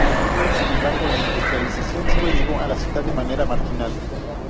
Sin embargo, la industrialización sólo llegó a la ciudad de manera marginal.